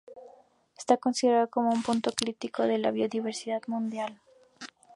Está considerado como un punto crítico de la biodiversidad mundial.